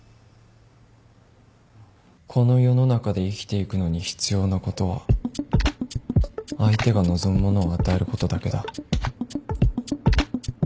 この世の中で生きていくのに必要なことは相手が望むものを与えることだけだ